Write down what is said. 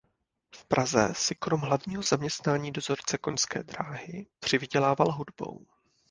V Praze si krom hlavního zaměstnání dozorce koňské dráhy přivydělával hudbou.